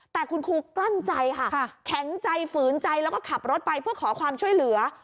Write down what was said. แต่คุณครูกลั้นใจค่ะแข็งใจฝืนใจแล้วก็ขับรถไปเพื่อขอความช่วยเหลือ